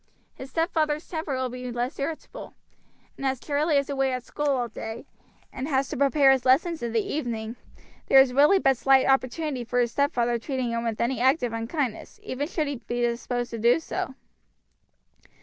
His stepfather's temper will be less irritable; and as Charlie is away at school all day, and has to prepare his lessons in the evening, there is really but slight opportunity for his stepfather treating him with any active unkindness, even should he be disposed to do so.